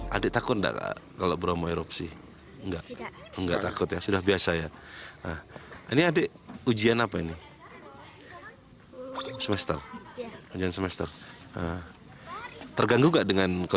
gak takut belajar di tengah erupsi terganggu gak deh